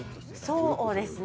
そうですね。